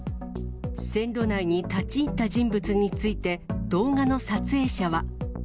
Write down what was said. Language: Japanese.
線路内に立ち入った人物について、動画の撮影者は。